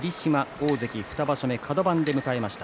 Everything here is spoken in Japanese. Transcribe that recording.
大関２場所でカド番で迎えました。